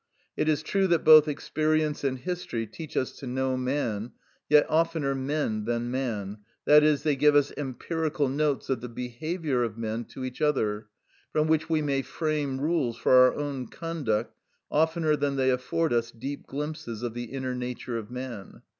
It is true that both experience and history teach us to know man; yet oftener men than man, i.e., they give us empirical notes of the behaviour of men to each other, from which we may frame rules for our own conduct, oftener than they afford us deep glimpses of the inner nature of man.